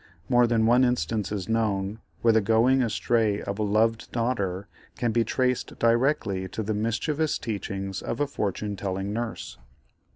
More than one instance is known, where the going astray of a loved daughter can be traced directly to the mischievous teachings of a fortune telling nurse.